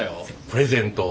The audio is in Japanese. プレゼント